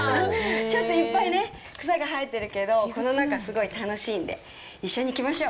ちょっといっぱいね、草が生えてるけどこの中すごい楽しいんで一緒に行きましょう。